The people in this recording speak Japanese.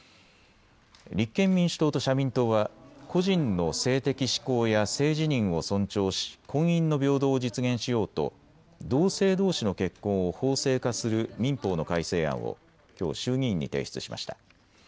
立憲民主党と社民党は個人の性的指向や性自認を尊重し婚姻の平等を実現しようと同性どうしの結婚を法制化する民法の改正案をきょう衆議院に提出しました。